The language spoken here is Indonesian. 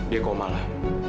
dia koma lah